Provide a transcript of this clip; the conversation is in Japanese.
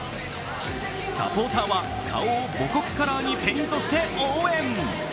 サポーターは顔を母国カラーにペイントして応援。